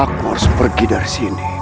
aku harus pergi dari sini